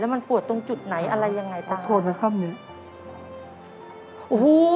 แล้วมันปวดตรงจุดไหนอะไรอย่างไรต่างนะครับปวดตรงข้างหนึ่ง